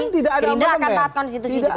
tidak akan taat konstitusi juga